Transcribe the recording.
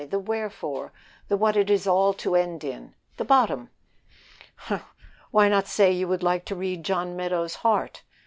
the wherefore the what it is all to end in. The bottom!" "Why not say you would like to read John Meadows' heart?"